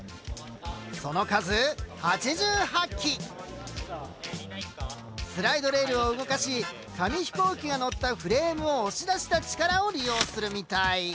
その数スライドレールを動かし紙飛行機が乗ったフレームを押し出した力を利用するみたい。